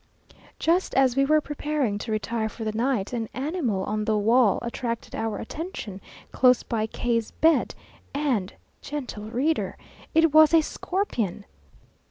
Just as we were preparing to retire for the night, an animal on the wall attracted our attention, close by K 's bed and, gentle reader! it was a scorpion!